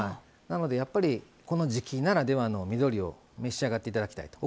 なのでやっぱりこの時季ならではの緑を召し上がって頂きたいと。